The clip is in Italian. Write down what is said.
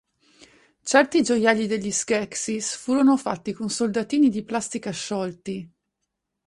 Certi gioielli degli Skeksis furono fatti con soldatini di plastica sciolti.